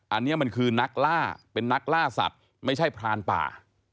อันนี้มันคือนักล่าเป็นนักล่าสัตว์ไม่ใช่พรานป่า